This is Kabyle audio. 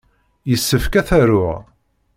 Yessefk ad t-aruɣ.